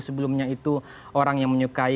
sebelumnya itu orang yang menyukai